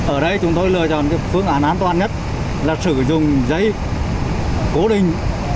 ở đây chúng tôi lựa chọn phương án an toàn nhất là sử dụng giấy cố đình